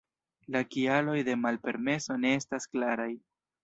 La kialoj de malpermeso ne estas klaraj.